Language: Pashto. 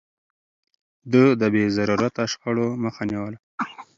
ده د بې ضرورته شخړو مخه نيوله.